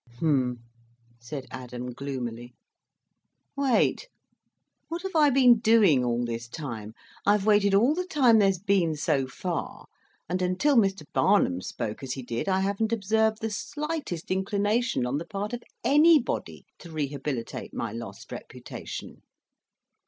"Humph!" said Adam, gloomily. "Wait! What have I been doing all this time? I've waited all the time there's been so far, and until Mr. Barnum spoke as he did I haven't observed the slightest inclination on the part of anybody to rehabilitate my lost reputation.